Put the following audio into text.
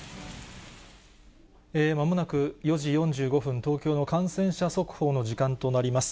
まもなく４時４５分、東京の感染者速報の時間となります。